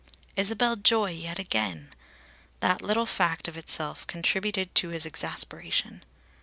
Isabel Joy yet again! That little fact of itself contributed to his exasperation.